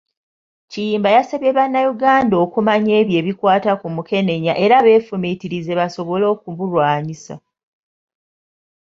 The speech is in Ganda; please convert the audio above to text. Kiyimba yasabye bannayuganda okumanya ebyo ebikwata ku Mukenenya era beefumiitirize basobole okubulwanyisa.